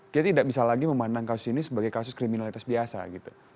kita tidak bisa lagi memandang kasus ini sebagai kasus kriminalitas biasa gitu